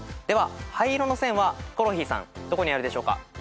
では灰色の線はヒコロヒーさんどこにあるでしょうか？